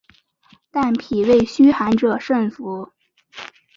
但脾胃虚寒者慎服。